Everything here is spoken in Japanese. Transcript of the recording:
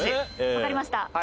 わかりました。